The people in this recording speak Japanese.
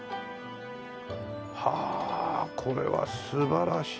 はあこれは素晴らしいあれだね。